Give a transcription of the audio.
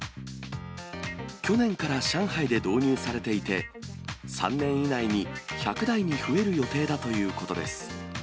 去年から上海で導入されていて、３年以内に１００台に増える予定だということです。